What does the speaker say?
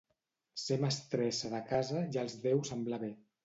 Ser mestressa de casa ja els deu semblar bé.